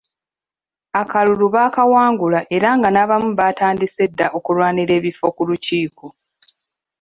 Akalulu baakawangula era nga n'abamu baatandise dda okulwanira ebifo ku lukiiko.